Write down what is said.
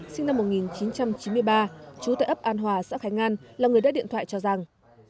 sinh năm một nghìn chín trăm chín mươi ba trú tại ấp an hòa xã khánh an là người đã điện thoại cho giang